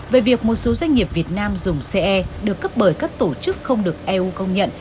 về việc một số doanh nghiệp việt nam dùng ce được cấp bởi các tổ chức không được eu công nhận